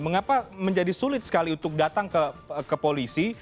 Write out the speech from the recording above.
mengapa menjadi sulit sekali untuk datang ke polisi